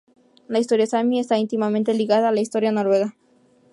La historia sami está íntimamente ligada a la historia noruega.